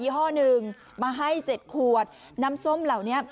ห้อหนึ่งมาให้๗ขวดน้ำส้มเหล่านี้